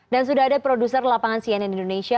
sudah ada produser lapangan cnn indonesia